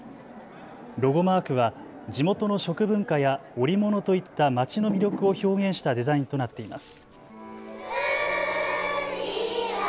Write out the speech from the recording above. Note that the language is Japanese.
ロゴマークは地元の食文化や織物といった、まちの魅力を表現したデザインとなっています。